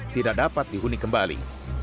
tidak dapat dihuni kembali